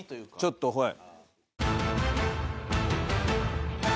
ちょっとはい。